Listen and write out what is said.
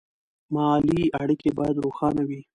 مالي اړیکې باید روښانه وي.